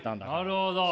なるほど。